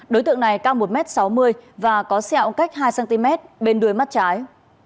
đối tượng này cao một m sáu mươi và có sẹo cách hai cm bên đuôi mắt trái